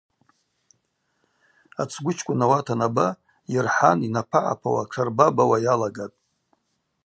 Ацгвычкӏвын ауат анаба йырхӏан йнапа-гӏапауа, тшарбабауа йалагатӏ.